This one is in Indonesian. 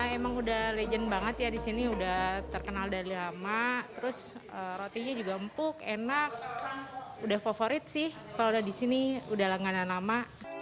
emang udah legend banget ya di sini udah terkenal dari lama terus rotinya juga empuk enak udah favorit sih kalau udah di sini udah langganan lama